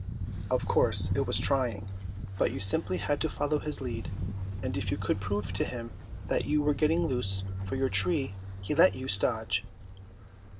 Of course it was trying, but you simply had to follow his lead, and if you could prove to him that you were getting loose for your tree he let you stodge.